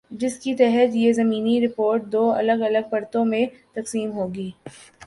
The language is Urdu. جس کی تحت یہ زمینی پرت دو الگ الگ پرتوں میں تقسیم ہوگی۔